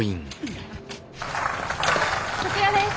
こちらです。